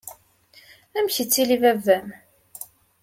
Amek yettili baba-m?